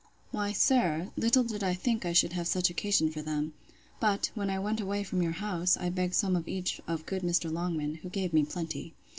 Why, sir, little did I think I should have such occasion for them; but, when I went away from your house, I begged some of each of good Mr. Longman, who gave me plenty.